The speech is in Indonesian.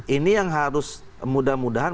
ini yang harus mudah mudahan